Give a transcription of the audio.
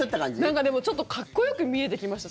なんか、でも、ちょっとかっこよく見えてきました。